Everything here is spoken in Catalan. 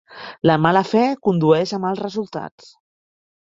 La mala fe condueix a mals resultats.